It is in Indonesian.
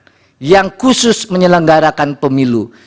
ini adalah peraturan yang khusus menyelenggarakan pemilu